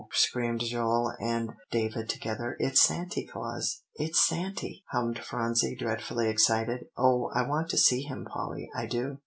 screamed Joel and David together; "it's Santy Claus!" "It's Santy!" hummed Phronsie dreadfully excited. "Oh! I want to see him, Polly, I do."